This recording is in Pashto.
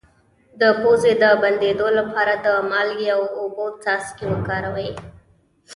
د پوزې د بندیدو لپاره د مالګې او اوبو څاڅکي وکاروئ